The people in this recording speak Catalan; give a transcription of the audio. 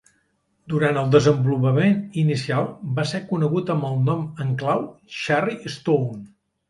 Durant el desenvolupament inicial va ser conegut amb el nom en clau "Cherry Stone".